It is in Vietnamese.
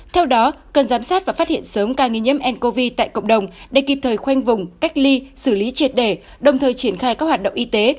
theo đó cần giám sát và phát hiện sớm ca nghi nhiễm ncov tại cộng đồng để kịp thời khoanh vùng cách ly xử lý triệt đề đồng thời triển khai các hoạt động y tế